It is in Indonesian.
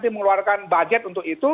mengeluarkan budget untuk itu